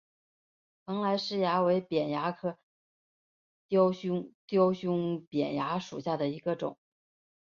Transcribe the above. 蓬莱虱蚜为扁蚜科雕胸扁蚜属下的一个种。